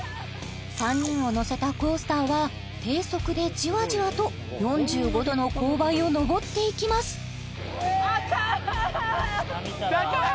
３人を乗せたコースターは低速でじわじわと４５度の勾配を上っていきます高い！